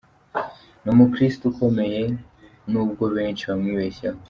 Ni umukristu ukomeye nubwo benshi bamwibeshyaho.